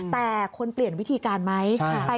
แต่ควรเปลี่ยนวิธีการไหม